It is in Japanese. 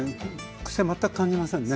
クセ全く感じませんね。